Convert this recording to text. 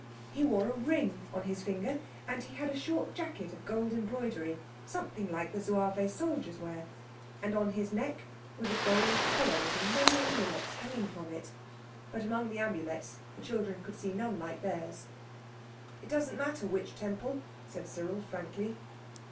He wore a ring on his finger, and he had a short jacket of gold embroidery something like the Zouave soldiers wear, and on his neck was a gold collar with many amulets hanging from it. But among the amulets the children could see none like theirs. "It doesn't matter which Temple," said Cyril frankly.